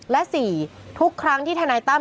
และสี่ทุกครั้งที่ธนัยต้ำ